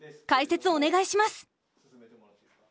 解説お願いします！